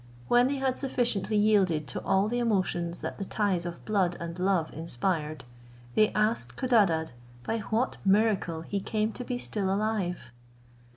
When they had sufficiently yielded to all the emotions that the ties of blood and love inspired, they asked Codadad by what miracle he came to be still alive?